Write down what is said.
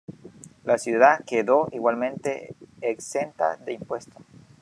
La ciudad quedó igualmente exenta de impuestos.